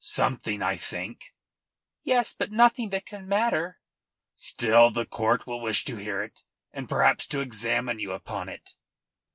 "Something, I think." "Yes; but nothing that can matter." "Still the court will wish to hear it and perhaps to examine you upon it."